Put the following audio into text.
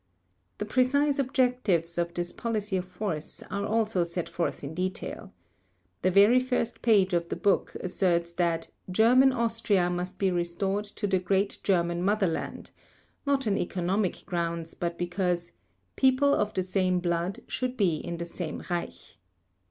The precise objectives of this policy of force are also set forth in detail. The very first page of the book asserts that "German Austria must be restored to the great German Motherland," not on economic grounds, but because "people of the same blood should be in the same Reich."